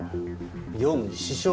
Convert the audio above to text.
業務に支障が。